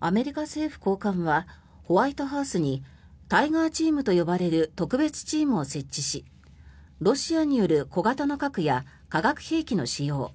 アメリカ政府高官はホワイトハウスにタイガーチームと呼ばれる特別チームを設置しロシアによる小型の核や化学兵器の使用